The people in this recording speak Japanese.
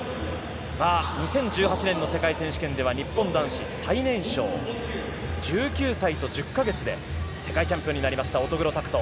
２０１８年の世界選手権では日本男子最年少１９歳と１０か月で世界チャンピオンになりました乙黒拓斗。